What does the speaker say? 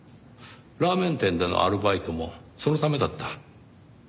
ラーメン店でのアルバイトもそのためだった。